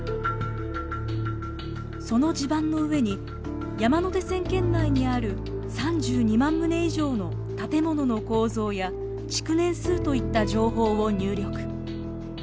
その地盤の上に山手線圏内にある３２万棟以上の建物の構造や築年数といった情報を入力。